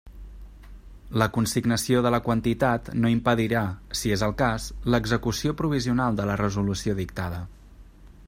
La consignació de la quantitat no impedirà, si és el cas, l'execució provisional de la resolució dictada.